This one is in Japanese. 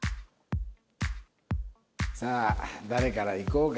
さあ誰からいこうかな？